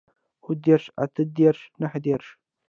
اووه دېرش اتۀ دېرش نهه دېرش